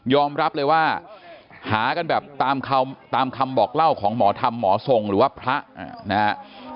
รับเลยว่าหากันแบบตามคำบอกเล่าของหมอธรรมหมอทรงหรือว่าพระนะฮะ